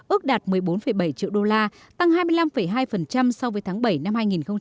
ước đạt một mươi bốn bảy triệu đô la tăng hai mươi năm hai so với tháng bảy năm hai nghìn một mươi chín